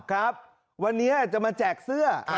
ครับวันนี้จะมาแจกเสื้อ